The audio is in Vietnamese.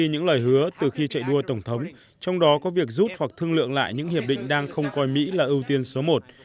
những lời hứa từ khi chạy đua tổng thống trong đó có việc rút hoặc thương lượng lại những hiệp định đang không coi mỹ là ưu tiên số một